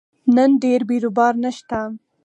نن ډېر بیروبار نشته